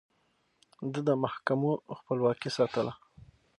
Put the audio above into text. ده د محکمو خپلواکي ساتله.